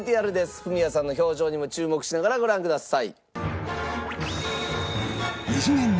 フミヤさんの表情にも注目しながらご覧ください。